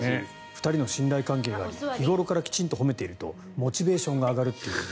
２人の信頼関係があり日頃からきちんと褒めているとモチベーションが上がるっていう。